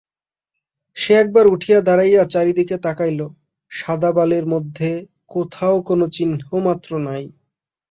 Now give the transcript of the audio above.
সে একবার উঠিয়া দাঁড়াইয়া চারি দিকে তাকাইল–সাদা বালির মধ্যে কোথাও কোনো চিহ্নমাত্র নাই।